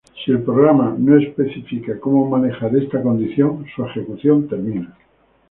Si el programa no especifica cómo manejar esta condición, su ejecución termina.